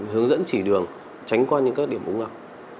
hướng dẫn chỉ đường tránh qua những các điểm ống ngập